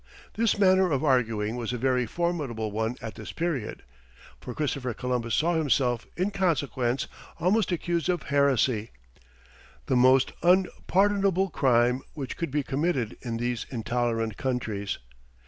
This manner of arguing was a very formidable one at this period; for Christopher Columbus saw himself, in consequence, almost accused of heresy, the most unpardonable crime which could be committed in these intolerant countries.